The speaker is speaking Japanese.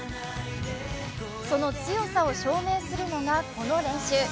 その強さを証明するのがこの練習。